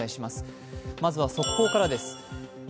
まずは速報からです。